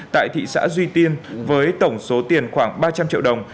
tại thị xã duy tiên với tổng số tiền khoảng ba trăm linh triệu đồng